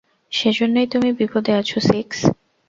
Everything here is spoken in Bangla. সেজন্যই তুমি বিপদে আছো, সিক্স।